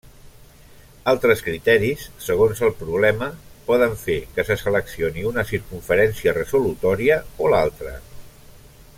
Altres criteris, segons el problema, poden fer que se seleccioni una circumferència resolutòria o l'altra.